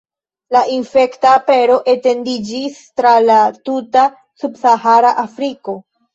La infekta apero etendiĝis tra la tuta Subsahara Afriko.